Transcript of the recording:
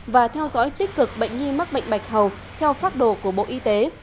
và theo dõi tích cực bệnh nhi mắc bệnh bạch hầu theo phác đồ của bộ y tế